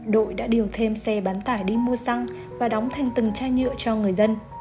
đội đã điều thêm xe bán tải đi mua xăng và đóng thành từng chai nhựa cho người dân